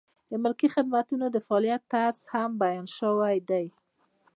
د ملکي خدمتونو د فعالیت طرز هم بیان شوی دی.